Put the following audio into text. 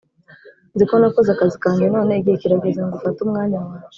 nzi ko nakoze akazi kanjye none igihe kirageze ngo ufate umwanya wawe.